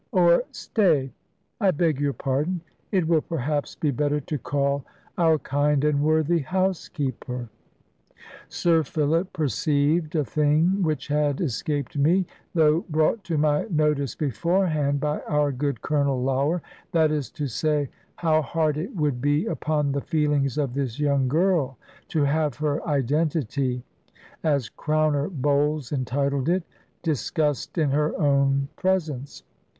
Or, stay; I beg your pardon. It will perhaps be better to call our kind and worthy housekeeper." Sir Philip perceived a thing which had escaped me, though brought to my notice beforehand by our good Colonel Lougher; that is to say, how hard it would be upon the feelings of this young girl, to have her "identity" (as Crowner Bowles entitled it) discussed in her own presence.